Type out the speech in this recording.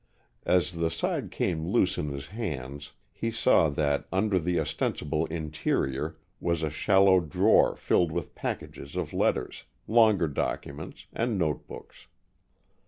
As the side came loose in his hands, he saw that under the ostensible interior was a shallow drawer filled with packages of letters, longer documents, and note books.